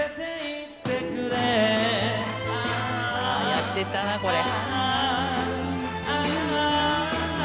やってたなこれ。